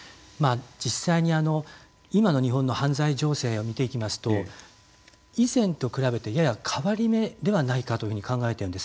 実際に、今の日本の犯罪情勢をみていきますと以前と比べてやや変わり目ではないかというふうに考えているんです。